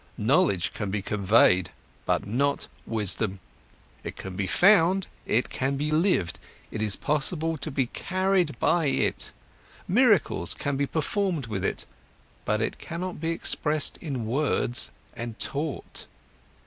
Knowledge can be conveyed, but not wisdom. It can be found, it can be lived, it is possible to be carried by it, miracles can be performed with it, but it cannot be expressed in words and taught.